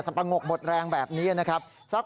สายลูกไว้อย่าใส่